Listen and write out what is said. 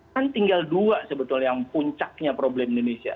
kan tinggal dua sebetulnya yang puncaknya problem indonesia